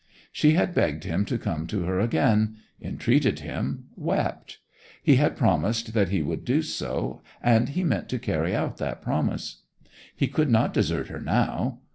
She had begged him to come to her again; entreated him; wept. He had promised that he would do so, and he meant to carry out that promise. He could not desert her now.